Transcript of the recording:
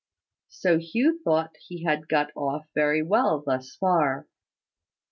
So Hugh thought he had got off very well thus far.